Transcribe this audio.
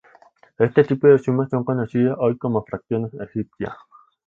Este tipo de sumas son conocidas hoy como fracciones egipcias.